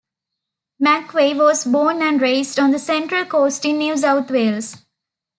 McVeigh was born and raised on the Central Coast in New South Wales.